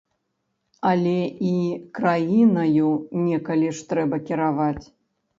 Але і краінаю некалі ж трэба кіраваць.